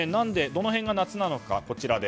どの辺が夏なのか。